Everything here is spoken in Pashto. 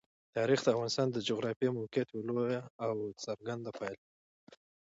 تاریخ د افغانستان د جغرافیایي موقیعت یوه لویه او څرګنده پایله ده.